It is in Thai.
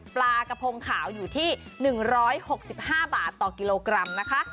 ปลากระพงขาวอยู่ที่๑๖๕บาทต่อกิโลกรัมนะคะ